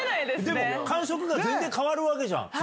でも、感触が全然変わるわけじゃん、次。